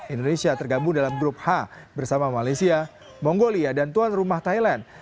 indonesia tergabung dalam grup h bersama malaysia mongolia dan tuan rumah thailand